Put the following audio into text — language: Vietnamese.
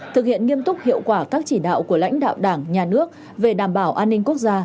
thực hiện nghiêm túc hiệu quả các chỉ đạo của lãnh đạo đảng nhà nước về đảm bảo an ninh quốc gia